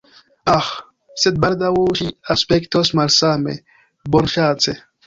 Aĥ, sed baldaŭ ŝi aspektos malsame, bonŝance!